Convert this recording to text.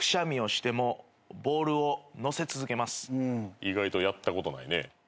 「意外とやったことないね。